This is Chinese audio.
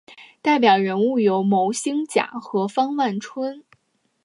代表人物有牟兴甲和方万春。